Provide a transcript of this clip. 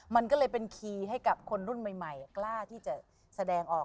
มันก็เลยเป็นคีย์ให้กับคนรุ่นใหม่กล้าที่จะแสดงออก